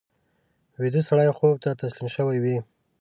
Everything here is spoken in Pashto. ویده سړی خوب ته تسلیم شوی وي